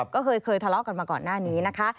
ก็เคยทะเลาะกันมาก่อนหน้านี้นะคะ